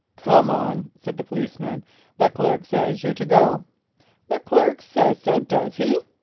"Come on," said the policeman, "the clerk says you're to go." "The clerk says so, does he?"